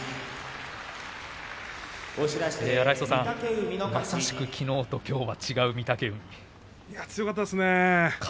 荒磯さん、まさしくきのうときょうとは違う御嶽海。